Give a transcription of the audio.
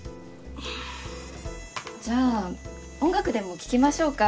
じゃあ音楽でも聴きましょうか。